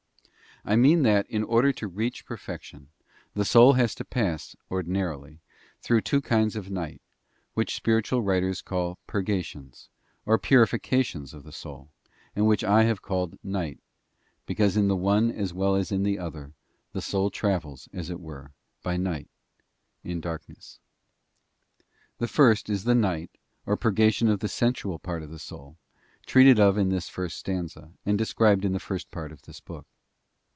I mean that, in order to reach perfection, the soul has to pass, ordinarily, through two kinds of night, which spiritual writers call purgations, or purifications of the soul, and which I have called night, because in the one as well as in the other the soul travels, as it were, by night, in darkness. The first is the night, or purgation of the sensual part of the soul, treated of in this first stanza, and described in the first part of this work.